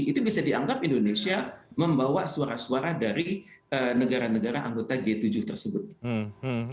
itu bisa dianggap indonesia membawa suara suara dari negara negara anggota g tujuh tersebut